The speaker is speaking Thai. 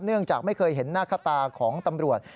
เนื่องจากไม่เคยเห็นหน้าข้าตาของตำรวจ